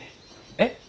えっ！？